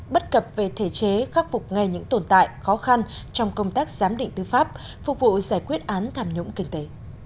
bất cập về thể chế khắc phục ngay những tồn tại khó khăn trong công tác giám định tư pháp phục vụ giải quyết án thảm nhũng kinh tế